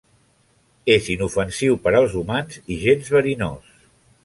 És inofensiu per als humans i gens verinós.